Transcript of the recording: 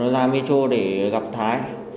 ra metro để gặp thái